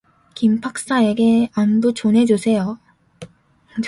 김 박사에게 안부 전해 주세요.